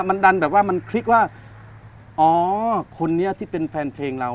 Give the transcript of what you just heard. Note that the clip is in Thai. มันดันแบบว่ามันคลิกว่าอ๋อคนนี้ที่เป็นแฟนเพลงเรา